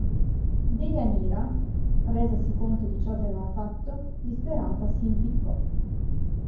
Deianira, resasi conto di ciò che aveva fatto disperata si impiccò.